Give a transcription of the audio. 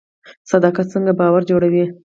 صداقت څنګه باور جوړوي؟